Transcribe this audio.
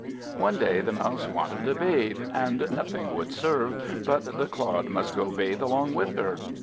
One day the Mouse wanted a bathe; and nothing would serve, but the Clod must go bathe along with her.